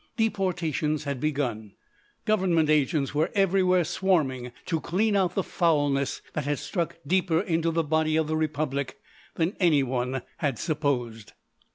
Deportations had begun; government agents were everywhere swarming to clean out the foulness that had struck deeper into the body of the Republic than any one had supposed.